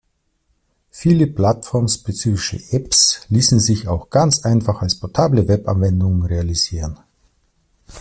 Viele plattformspezifische Apps ließen sich auch ganz einfach als portable Webanwendung realisieren.